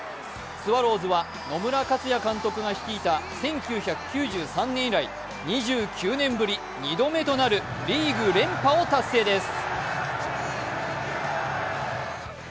スワローズは野村克也監督が率いた１９９３年以来２９年ぶり２度目となるリーグ連覇を達成です。